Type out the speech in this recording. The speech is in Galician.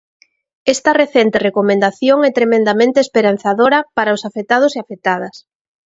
Esta recente recomendación é tremendamente esperanzadora para os afectados e afectadas.